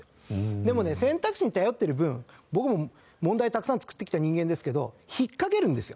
でもね選択肢に頼ってる分僕も問題たくさん作ってきた人間ですけど引っかけるんですよ